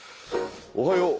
おはよう。